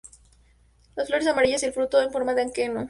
Las flores amarillas y el fruto en forma de aquenio.